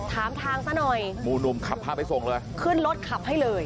ถามทางซะหน่อยหมู่หนุ่มขับพาไปส่งเลยขึ้นรถขับให้เลย